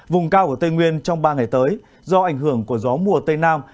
vùng cao của tây nguyên trong ba ngày tới do ảnh hưởng của gió mùa tây nam